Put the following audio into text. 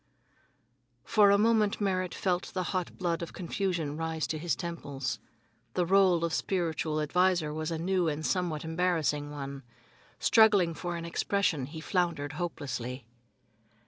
For a moment Merrit felt the hot blood of confusion rise to his temples. The role of spiritual adviser was a new and somewhat embarrassing one. Struggling for expression, he floundered hopelessly.